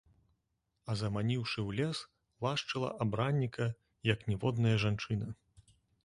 А заманіўшы ў лес, лашчыла абранніка, як ніводная жанчына.